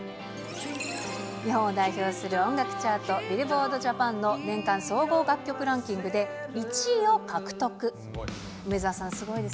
日本を代表する音楽チャート、ビルボードジャパンの年間総合楽曲ランキングで１位を獲得。